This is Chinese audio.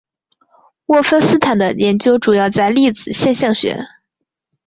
沃芬斯坦的研究主要在粒子现象学。